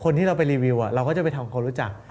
ที่เราไปรีวิวเราก็จะไปทำคนรู้จัก